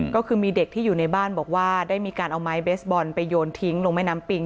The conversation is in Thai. ก็คือมีเด็กที่อยู่ในบ้านบอกว่าได้มีการเอาไม้เบสบอลไปโยนทิ้งลงแม่น้ำปิง